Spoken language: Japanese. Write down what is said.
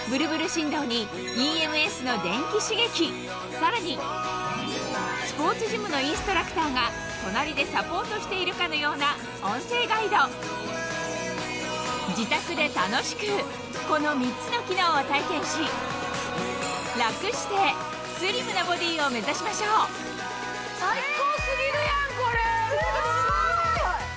さらにスポーツジムのインストラクターが隣でサポートしているかのような音声ガイド自宅で楽しくこの３つの機能を体験しラクしてスリムなボディーを目指しましょうすごい。